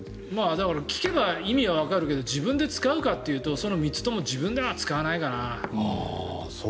だから聞けば意味はわかるけど自分で使うかというとその３つとも自分では使わないかな。